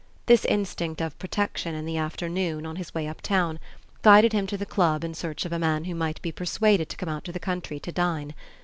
This instinct of protection in the afternoon, on his way uptown, guided him to the club in search of a man who might be persuaded to come out to the country to dine.